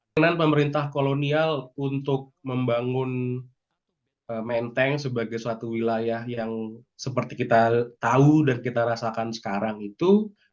kenan pemerintah kolonial untuk membangun menteng sebagai suatu wilayah yang seperti kita tahu dan kita rasakan sekarang itu